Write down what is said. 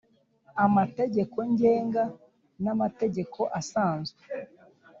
amategeko ngenga n amategeko asanzwe